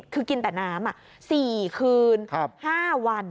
คือกินแต่น้ำ๔คืน๕วัน